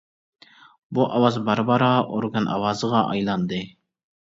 بۇ ئاۋاز بارا-بارا ئورگان ئاۋازىغا ئايلاندى.